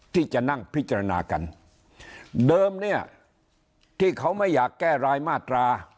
ที่จะนั่งพิจารณากันเดิมเนี่ยที่เขาไม่อยากแก้รายมาตรา